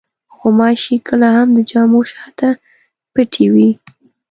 غوماشې کله هم د جامو شاته پټې وي.